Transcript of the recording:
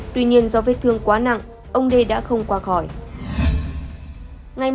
tuy nhiên do vết thương quá nặng ông đê đã không qua khỏi